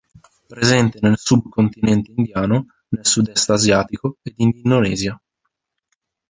Presente nel sub-continente indiano, nel sud-est asiatico ed in Indonesia.